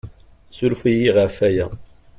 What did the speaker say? Ssuref-iyi ɣef waya.